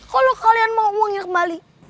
kalau kalian mau ngomongnya kembali